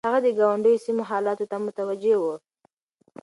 هغه د ګاونډيو سيمو حالاتو ته متوجه و.